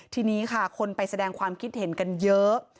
ทีนี้ค่ะคนไปแสดงความคิดเห็นกันเยอะ